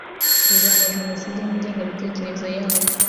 kurwanya jenosode n'ingengabitekerezo yayo